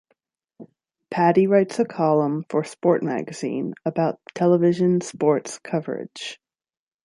Paddy writes a column for Sport magazine about television sports coverage.